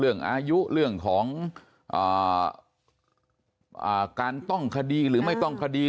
เรื่องอายุเรื่องของการต้องคดีหรือไม่ต้องคดี